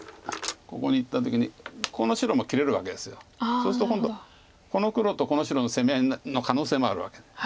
そうすると今度この黒とこの白の攻め合いの可能性もあるわけで。